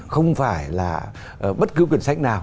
không phải là bất cứ quyển sách nào